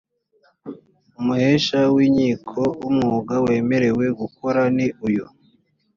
umuhesha w’inkiko w’umwuga wemerewe gukora ni uyu